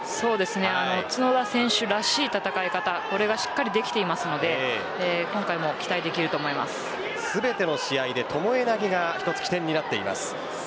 角田選手らしい戦い方これがしっかりできているので全ての試合で巴投が１つ起点になっています。